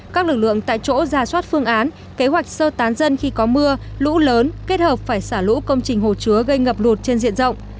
các lực lượng tại chỗ giả soát phương án kế hoạch sơ tán dân khi có mưa lũ lớn kết hợp phải xả lũ công trình hồ chứa gây ngập lụt trên diện rộng